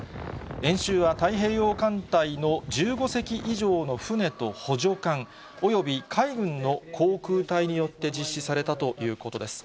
演習は、太平洋艦隊の１５隻以上の船と補助艦および海軍の航空隊によって実施されたということです。